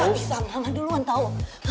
gak bisa mama duluan tahu